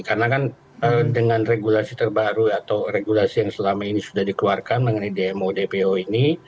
karena kan dengan regulasi terbaru atau regulasi yang selama ini sudah dikeluarkan mengenai dmo dan cpo ini